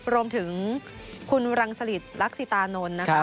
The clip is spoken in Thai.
รวมถึงคุณรังสลิดลักษิตานนท์นะคะ